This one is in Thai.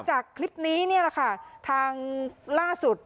จากคลิปนี้นี่แหละค่ะทางล่าสุด